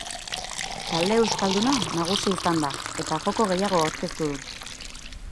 Talde euskalduna nagusi izan da eta joko gehiago aurkeztu du.